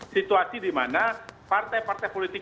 situasi di mana partai partai politik